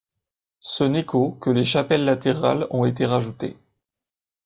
Ce n'est qu'au que les chapelles latérales ont été rajoutées.